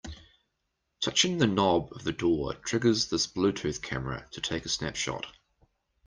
Touching the knob of the door triggers this Bluetooth camera to take a snapshot.